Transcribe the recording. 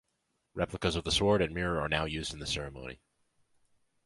Replicas of the sword and mirror are now used in the ceremony.